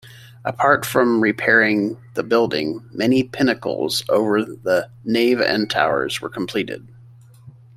Apart from repairing the building, many pinnacles over the nave and towers were completed.